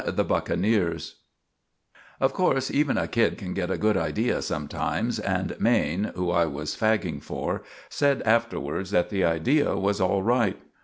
The Buckeneers Of corse even a kid can get a good idea sometimes, and Maine, who I was fagging for, said afterwards that the idea was alright.